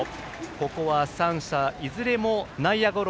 ここは３者いずれも内野ゴロ。